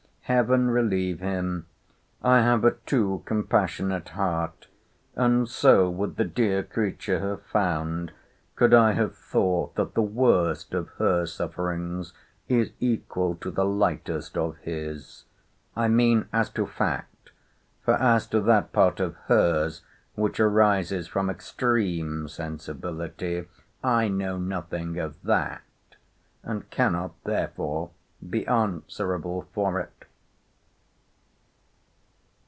—Heaven relieve him!—I have a too compassionate heart. And so would the dear creature have found, could I have thought that the worst of her sufferings is equal to the lightest of his. I mean as to fact; for as to that part of her's, which arises from extreme sensibility, I know nothing of that; and cannot therefore be answerable for it.